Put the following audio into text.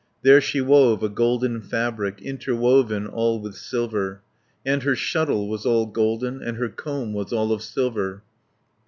There she wove a golden fabric, Interwoven all with silver, And her shuttle was all golden, And her comb was all of silver.